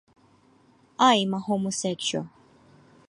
I'm a homosexual.